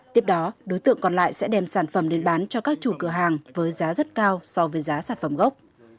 tiếp đó đối tượng còn lại sẽ đem sản phẩm đến bán cho các chủ cửa hàng với giá rất cao so với giá sản phẩm gốc